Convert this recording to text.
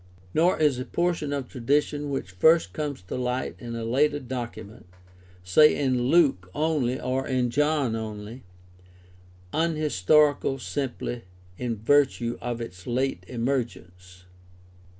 Nor is a portion of tradition which first comes to Hght in a later document — say in Luke only or in John only —• unhistorical simply in virtue of its late emergence.